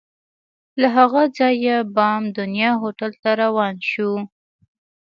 له هغه ځایه بام دنیا هوټل ته روان شوو.